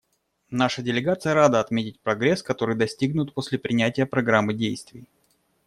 Наша делегация рада отметить прогресс, который достигнут после принятия Программы действий.